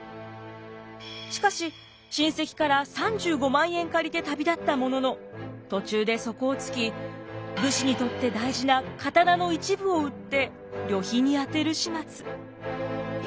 しかし親戚から３５万円借りて旅立ったものの途中で底をつき武士にとって大事な刀の一部を売って旅費に充てる始末。